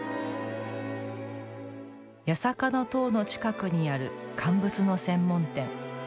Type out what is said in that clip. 八坂の塔の近くにある乾物の専門店。